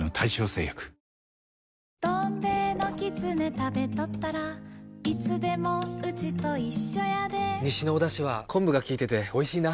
食べとったらいつでもウチと一緒やで西のおだしは昆布が効いてておいしいな。